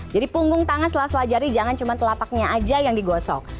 jadi punggung tangan sela sela jari jangan cuma telapaknya aja yang digosok